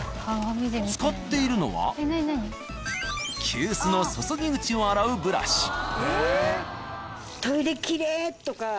使っているのは急須の注ぎ口を洗うブラシ。